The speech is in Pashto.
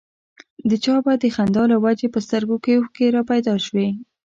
د چا به د خندا له وجې په سترګو کې اوښکې را پيدا شوې.